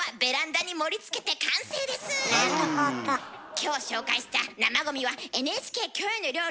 今日紹介した生ゴミは「ＮＨＫキョエの料理」